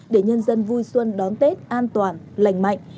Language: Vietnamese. để nhân dân vui xuân đón tết an toàn lành mạnh